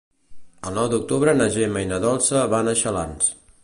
El nou d'octubre na Gemma i na Dolça van a Xalans.